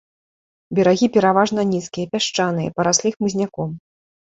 Берагі пераважна нізкія, пясчаныя, параслі хмызняком.